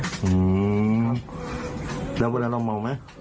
อืมแล้วเวลาเราเมาไหม